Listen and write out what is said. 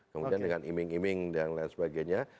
kemudian dengan iming iming dan lain sebagainya